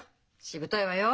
しぶといわよ！